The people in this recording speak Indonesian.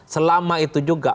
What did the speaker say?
selama itu juga